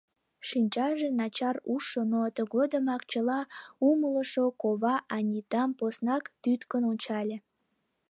Шинчаже начар ужшо, но тыгодымак чыла умылышо кова Анитам поснак тӱткын ончале.